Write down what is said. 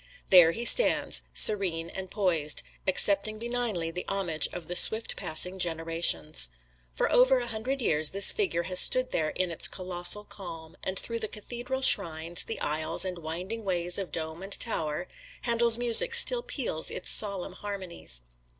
There he stands, serene and poised, accepting benignly the homage of the swift passing generations. For over a hundred years this figure has stood there in its colossal calm, and through the cathedral shrines, the aisles, and winding ways of dome and tower, Handel's music still peals its solemn harmonies.